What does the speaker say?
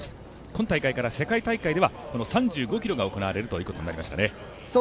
今大会から、世界大会では３５ｋｍが行われるということになりましたね。